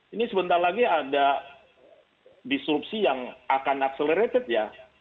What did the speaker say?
ini sebentar lagi ada disrupsi yang akan accelerated ya